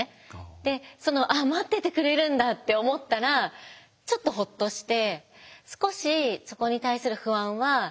でその「あっ待っててくれるんだ」って思ったらちょっとほっとして少しそこに対する不安は和らいでいました。